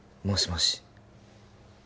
もしもし